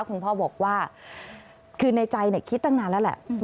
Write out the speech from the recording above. คุณพ่อบอกว่าคือในใจคิดตั้งนานแล้วแหละ